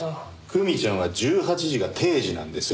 来未ちゃんは１８時が定時なんです。